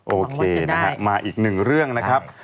โอเคนะฮะมาอีกหนึ่งเรื่องนะครับ